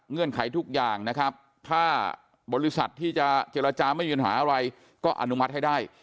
ไขทุกอย่างนะครับถ้าบริษัทที่จะเจรจาไม่มีปัญหาอะไรก็อนุมัติให้ได้